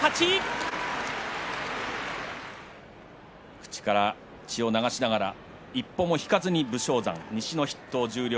口から血を流しながら一歩も引かずに武将山西の筆頭十両